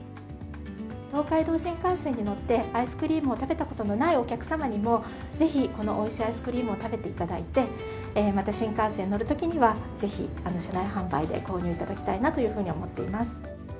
東海道新幹線に乗って、アイスクリームを食べたことのないお客様にも、ぜひこのおいしいアイスクリームを食べていただいて、また新幹線に乗るときには、ぜひ車内販売で購入いただきたいなというふうに思っています。